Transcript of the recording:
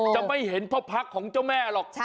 จะไม่เห็นเพราะพรรคของเจ้าแม่หรอก